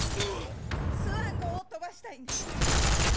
スワン号を飛ばしたいんです！